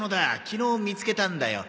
昨日見つけたんだよ。